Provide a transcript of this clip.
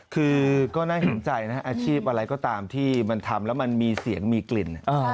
คือก็น่าเห็นใจนะอาชีพอะไรก็ตามที่มันทำแล้วมันมีเสียงมีกลิ่น